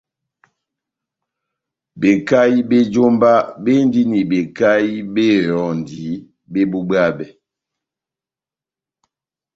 Bekahi bé jómba béndini bekahi bé ehɔndi bébubwabɛ.